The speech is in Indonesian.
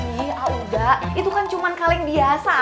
ini a'udha itu kan cuma kaleng biasa